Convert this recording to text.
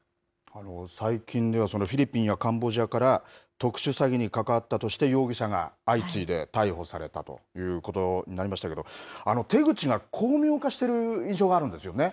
最近ではフィリピンやカンボジアから特殊詐欺に関わったとして容疑者が相次いで逮捕されたということありましたけど手口が巧妙化している印象があるんですよね。